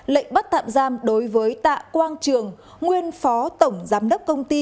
lệnh bắt tạm giam đối với tạ quang trường nguyên phó tổng giám đốc công ty